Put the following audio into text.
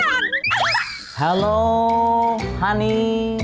ฮัลโหลฮานี